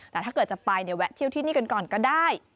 แต่ถ้าเกิดจะไปเนี่ยแวะเที่ยวที่นี่กันก่อนก็ได้